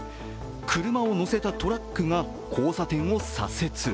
車を載せたトラックが交差点を左折。